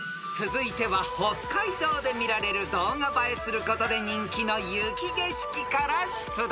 ［続いては北海道で見られる動画映えすることで人気の雪景色から出題］